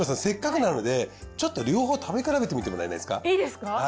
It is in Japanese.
せっかくなのでちょっと両方食べ比べてみてもらえないですか。